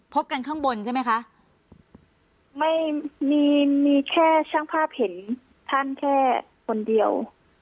พบกันข้างบนใช่ไหมคะไม่มีมีแค่ช่างภาพเห็นท่านแค่คนเดียว